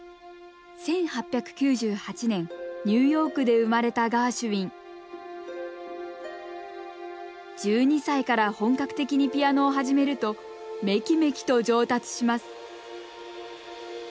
１８９８年ニューヨークで生まれたガーシュウィン１２歳から本格的にピアノを始めるとめきめきと上達します